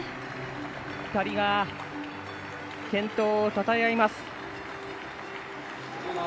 ２人が健闘をたたえあいます。